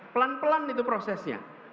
pelan pelan itu prosesnya